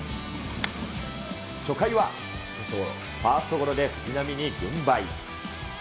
初回はファーストゴロで藤浪に軍配。